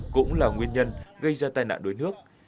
cũng là nguyên nhân gây ra tai nạn đuối nước